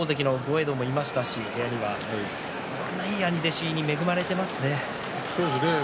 平戸海も大関の豪栄道もいましたし、部屋にはいい兄弟子に恵まれていますね。